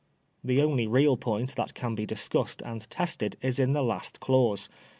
The only real point that can be discussed and tested is in the last clause.